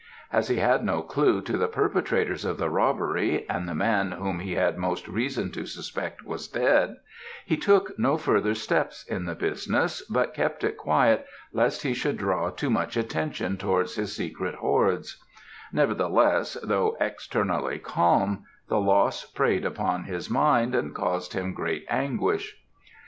As he had no clue to the perpetrators of the robbery, and the man whom he had most reason to suspect was dead, he took no further steps in the business, but kept it quiet lest he should draw too much attention towards his secret hoards; nevertheless, though externally calm, the loss preyed upon his mind and caused him great anguish.